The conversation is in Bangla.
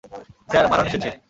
স্যার, মারান এসেছে।